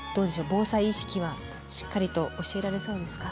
防災意識はしっかりと教えられそうですか？